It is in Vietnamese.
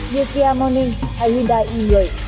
như kia morning hay hyundai i một mươi